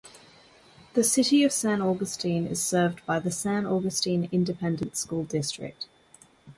The city of San Augustine is served by the San Augustine Independent School District.